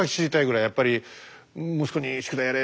やっぱり息子に「宿題やれ！」